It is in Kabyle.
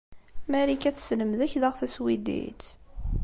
Marika tesselmed-ak daɣ taswidit?